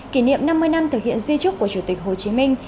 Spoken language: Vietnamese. kỷ niệm năm mươi năm thực hiện di trúc của chủ tịch hồ chí minh